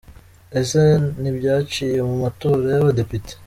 Ese ntibyaciye mu matora y’abadepite ?